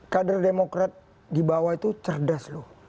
kader demokrat di bawah itu cerdas loh